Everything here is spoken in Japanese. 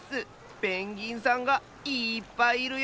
ペンギンさんがいっぱいいるよ。